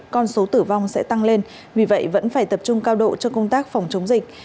con số tử vong sẽ tăng lên vì vậy vẫn phải tập trung cao độ cho công tác phòng chống dịch